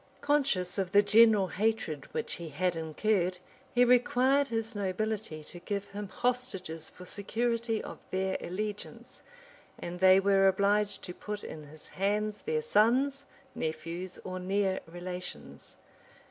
} Conscious of the general hatred which he had incurred, he required his nobility to give him hostages for security of their allegiance; and they were obliged to put in his hands their sons, nephews, or near relations.